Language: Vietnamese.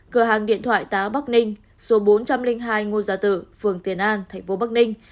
một mươi ba cơ hàng điện thoại tá bắc ninh số bốn trăm linh hai ngô gia tự phường tiền an thành phố bắc ninh